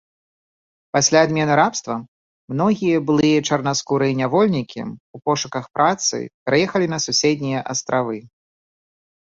Пасля адмены рабства многія былыя чарнаскурыя нявольнікі ў пошуках працы пераехалі на суседнія астравы.